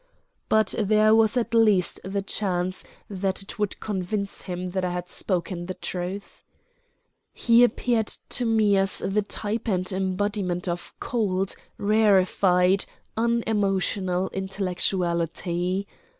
But there was at least the chance that it would convince him I had spoken the truth. He appeared to me as the type and embodiment of cold, rarefied, unemotional intellectuality.